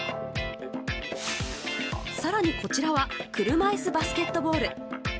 更に、こちらは車いすバスケットボール。